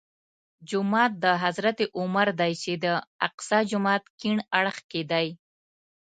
جومات د حضرت عمر دی چې د اقصی جومات کیڼ اړخ کې دی.